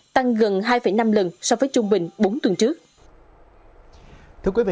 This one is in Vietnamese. tăng gần hai năm lần so với trung bình bốn tuần trước